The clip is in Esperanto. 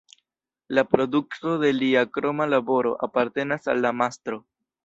La produkto de lia kroma laboro apartenas al la mastro.